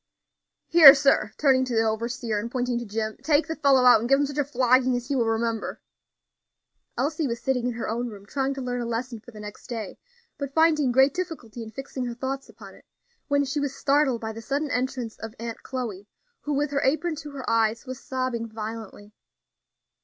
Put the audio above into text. "Here, sir," turning to the overseer, and pointing to Jim, "take the fellow out, and give him such a flogging as he will remember." Elsie was sitting in her own room, trying to learn a lesson for the next day, but finding great difficulty in fixing her thoughts upon it, when she was startled by the sudden entrance of Aunt Chloe, who, with her apron to her eyes, was sobbing violently.